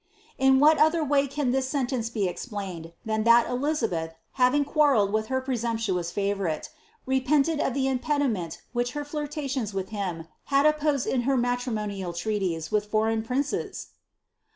^'^ In what other way ran this Teotence be explained than that Elizabeth, having quarrelletl with lier presumptuous fiivourite, repented of the impediment which her flirta uoDs with him had opposed in her matrimonial treaties with foreign pnncea?